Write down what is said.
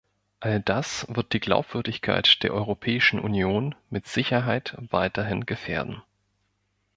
All das wird die Glaubwürdigkeit der Europäischen Union mit Sicherheit weiterhin gefährden.